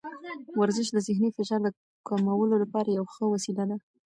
ورزش د ذهني فشار د کمولو لپاره یوه ښه وسیله ده.